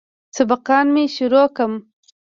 سبقان مې شروع کم.